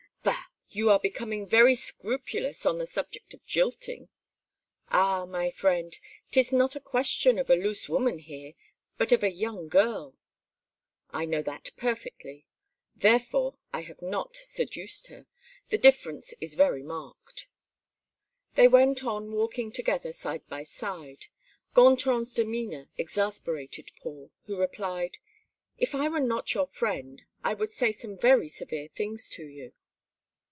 "Bah! you are becoming very scrupulous on the subject of jilting." "Ah, my friend, 'tis not a question of a loose woman here, but of a young girl." "I know that perfectly; therefore, I have not seduced her. The difference is very marked." They went on walking together side by side. Gontran's demeanor exasperated Paul, who replied: "If I were not your friend, I would say some very severe things to you."